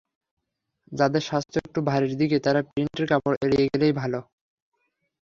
যাঁদের স্বাস্থ্য একটু ভারীর দিকে তাঁরা প্রিন্টের কাপড় এড়িয়ে গেলেই ভালো।